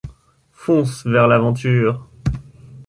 … fonce vers l’aventure.